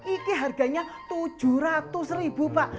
ike harganya tujuh ratus ribu pak